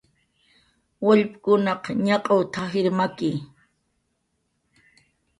"Wallpkun ñaq'w t""ajir maki"